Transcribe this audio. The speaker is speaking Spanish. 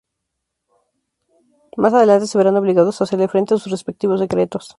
Más adelante se verán obligados a hacerle frente a sus respectivos secretos.